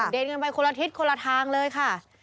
เดินกันไปคนละทิศคนละทางเลยค่ะ